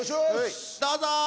どうぞ！